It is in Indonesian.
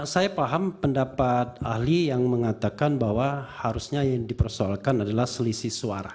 saya paham pendapat ahli yang mengatakan bahwa harusnya yang dipersoalkan adalah selisih suara